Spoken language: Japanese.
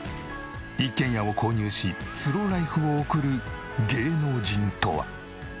一軒家を購入しスローライフを送る芸能人とは？